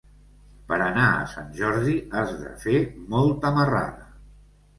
Per anar a Sant Jordi has de fer molta marrada.